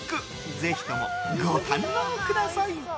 ぜひともご堪能ください。